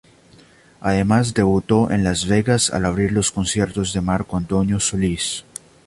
Además debutó en Las Vegas al abrir los conciertos de Marco Antonio Solís.